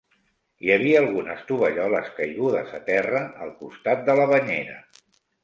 Hi havia algunes tovalloles caigudes a terra al costat de la banyera.